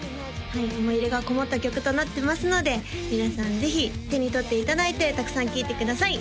はい思い入れが込もった曲となってますので皆さんぜひ手に取っていただいてたくさん聴いてください